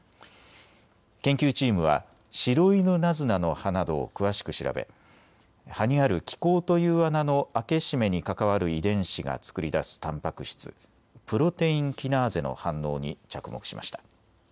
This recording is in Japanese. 研究チームはシロイヌナズナの葉などを詳しく調べ葉にある気孔という穴の開け閉めに関わる遺伝子が作り出すタンパク質、プロテインキナーゼの反応に着目しました。